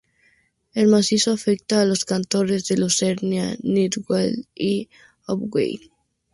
El macizo afecta a los cantones de Lucerna, Nidwalden y Obwalden.